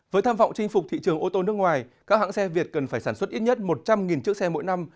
với tham vọng chinh phục thị trường ô tô nước ngoài các hãng xe việt cần phải sản xuất ít nhất một trăm linh chiếc xe mỗi năm